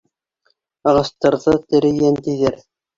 Ағастарҙы тере йән тиҙәр.